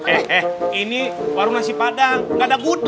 eh eh ini warung nasi padang gak ada gudeg